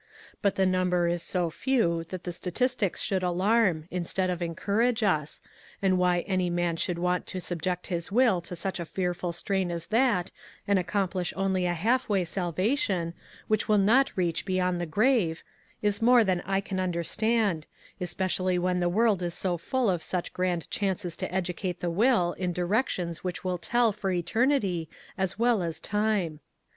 But the number is so few that the statistics should alarm, instead of encourage us, and why any man should want to subject his will to such a fearful strain as that, and accomplish only a half way salvation, which will not reach beyond the grave, is more than I can un derstand, especially when the world is so full of such grand chances to educate the will in directions which will tell for eter nity, as well as time.